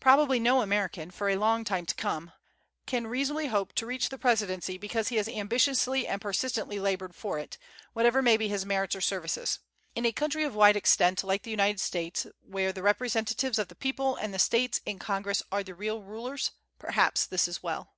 Probably no American, for a long time to come, can reasonably hope to reach the presidency because he has ambitiously and persistently labored for it, whatever may be his merits or services. In a country of wide extent like the United States, where the representatives of the people and the States in Congress are the real rulers, perhaps this is well.